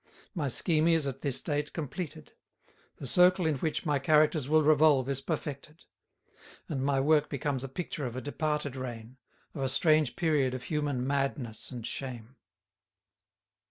My scheme is, at this date, completed; the circle in which my characters will revolve is perfected; and my work becomes a picture of a departed reign, of a strange period of human madness and shame.